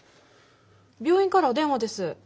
病院からお電話です。